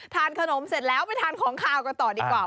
ทานขนมเสร็จแล้วไปทานของขาวกันต่อดีกว่า